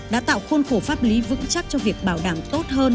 đã tạo khôn khổ pháp lý vững chắc cho việc bảo đảm tốt hơn